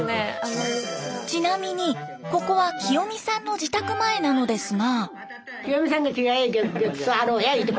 ちなみにここはキヨミさんの自宅前なのですが。